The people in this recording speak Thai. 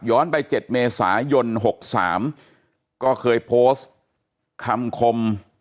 ไป๗เมษายน๖๓ก็เคยโพสต์คำคม